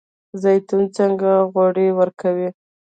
زیتون څنګه غوړي ورکوي؟